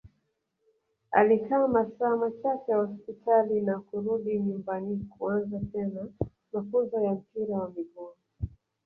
alikaa masaa machache hospitali na kurudi nyumbani kuanza tena mafunzo ya mpira wa miguu